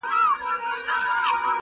عزارییله پښه نیولی قدم اخله-